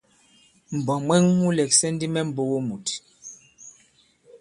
Mbwǎ mwɛ̀ŋ mu lɛ̀ksɛ̀ ndi mɛ mbogo mùt.